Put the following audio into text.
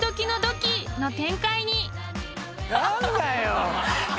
何だよ。